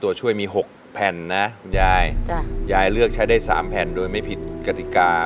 ตัวช่วยมี๖แผ่นนะคุณยายยายเลือกใช้ได้๓แผ่นโดยไม่ผิดกติกา